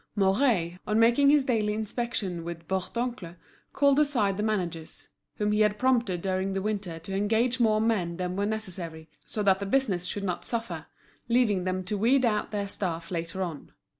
Mouret, on making his daily inspection with Bourdoncle, called aside the managers, whom he had prompted during the winter to engage more men than were necessary, so that the business should not suffer, leaving them to weed out their staff later on.